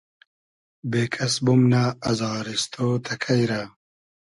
بېکئس بومنۂ ازاریستۉ تئکݷ رۂ